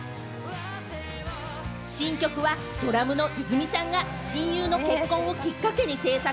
新曲はドラムの泉さんが親友の結婚をきっかけに制作。